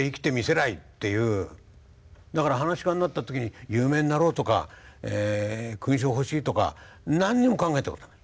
だから噺家になった時に有名になろうとか勲章が欲しいとか何も考えたことない。